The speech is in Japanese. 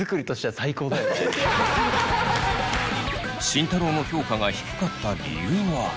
慎太郎の評価が低かった理由は。